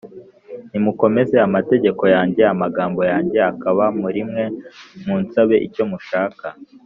Nimukomeza amategeteko yanjye amagambo yanjye akaba murimwe munsabe icyo mushaka